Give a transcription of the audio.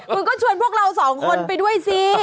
คุณก็ชวนพวกเราสองคนไปด้วยสิ